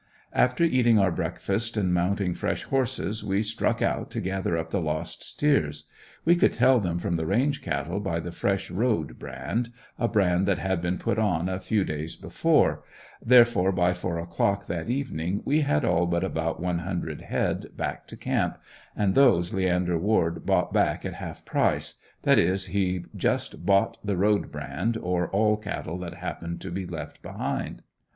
After eating our breakfast and mounting fresh horses we struck out to gather up the lost steers. We could tell them from the range cattle by the fresh "road" brand a brand that had been put on a few days before therefore, by four o'clock that evening we had all but about one hundred head back to camp and those Leander Ward bought back at half price that is he just bought the road brand or all cattle that happened to be left behind.